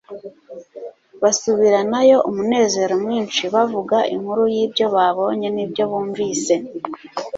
Basubiranayo umunezero mwinshi, bavuga inkuru y'ibyo babonye n'ibyo bumvise